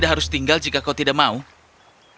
tapi itu bukanlah kota putih